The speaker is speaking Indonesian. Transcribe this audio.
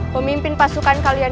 pemimpin pasukan kalian